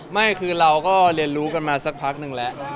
ไม่คือเราก็เรียนรู้กันมาสักพักนึงแล้ว